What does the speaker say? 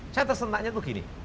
saya tersentaknya itu begini